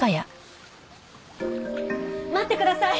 待ってください！